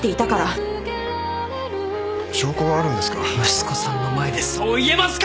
息子さんの前でそう言えますか！